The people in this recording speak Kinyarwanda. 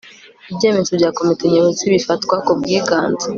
ibyemezo bya komite nyobozi bifatwa ku bwiganze